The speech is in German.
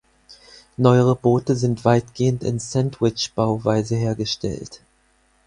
Neuere Boote sind weitgehend in Sandwichbauweise hergestellt.